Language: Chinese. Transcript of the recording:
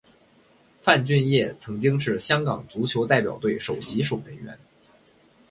范俊业曾经是香港足球代表队首席守门员。